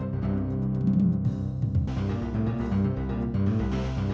terima ini gak cek gak mas